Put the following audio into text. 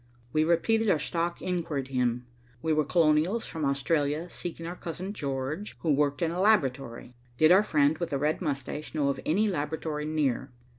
We repeated our stock inquiry to him. We were Colonials from Australia seeking our Cousin George, who worked in a laboratory. Did our friend with the red moustache know of any laboratory near?